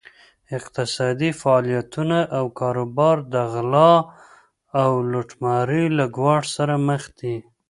اقتصادي فعالیتونه او کاروبار د غلا او لوټمارۍ له ګواښ سره مخ دي.